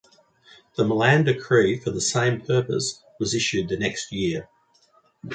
The Milan decree for the same purpose was issued the next year.